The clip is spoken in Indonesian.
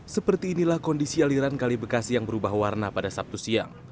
seperti inilah kondisi aliran kali bekasi yang berubah warna pada sabtu siang